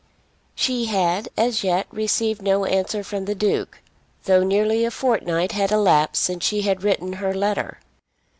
She had as yet received no answer from the Duke, though nearly a fortnight had elapsed since she had written her letter.